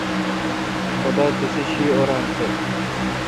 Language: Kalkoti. خدا تسے°شی۔ اوران تہ۔